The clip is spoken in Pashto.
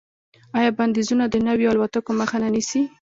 آیا بندیزونه د نویو الوتکو مخه نه نیسي؟